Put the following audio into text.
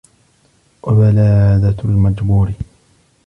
وَبَلَادَةُ الْمَجْبُورِ